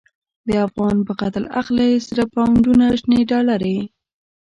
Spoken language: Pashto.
د افغان په قتل اخلی، سره پو نډونه شنی ډالری